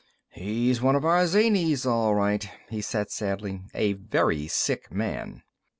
"He's one of our zanies, all right," he said sadly. "A very sick man."